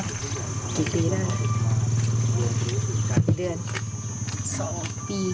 เราเห็นคนในครอบครัวหรือยังไง